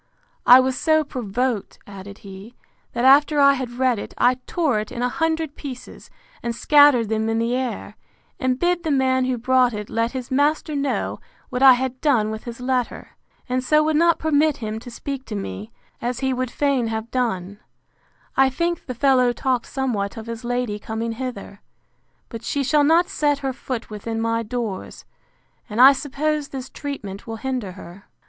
I was so provoked, added he, that after I had read it, I tore it in a hundred pieces, and scattered them in the air, and bid the man who brought it let his master know what I had done with his letter; and so would not permit him to speak to me, as he would fain have done,—I think the fellow talked somewhat of his lady coming hither; but she shall not set her foot within my doors; and I suppose this treatment will hinder her.